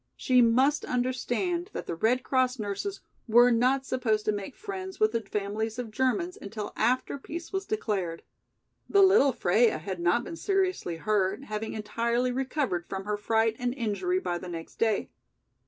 She must understand that the Red Cross nurses were not supposed to make friends with the families of Germans until after peace was declared. The little Freia had not been seriously hurt, having entirely recovered from her fright and injury by the next day.